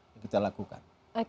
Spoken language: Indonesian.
yang kita lakukan